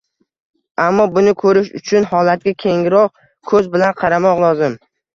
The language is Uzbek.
Ammo, buni ko‘rish uchun holatga kengroq ko‘z bilan qaramoq lozim